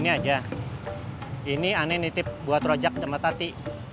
gini aja ini ane nitip buat rojak tempat hati